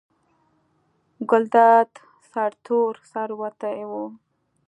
ګلداد سرتور سر وتی و.